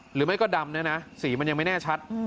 หรือไม่ก็ดำเนี่ยนะสีมันยังไม่แน่ชัด